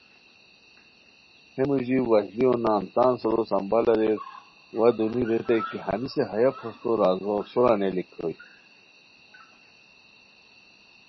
ہے موژی وشلیو نان تان سورو سنبھال اریر وا دونی ریتائے کی ہنیسے ہیہ پھوستو رازو سورا نیلیک ہوئے